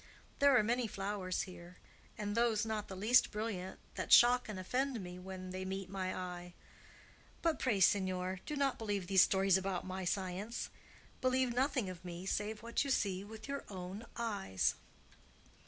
There are many flowers here, and those not the least brilliant, that shock and offend me when they meet my eye. But pray, signor, do not believe these stories about my science. Believe nothing of me save what you see with your own eyes."